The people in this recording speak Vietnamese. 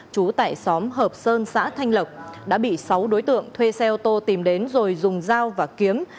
trú tại xóm hợp sơn xã thanh lộc đã bị sáu đối tượng thuê xe ô tô tìm đến rồi dùng dao và kiếm